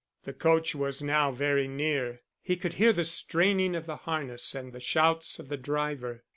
The coach was now very near; he could hear the straining of the harness and the shouts of the driver.